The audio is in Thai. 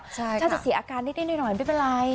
ถ้าจะเสียอาการนิดหน่อยไม่เป็นไร